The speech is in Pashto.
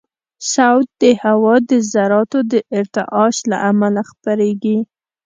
صوت د هوا د ذراتو د ارتعاش له امله خپرېږي.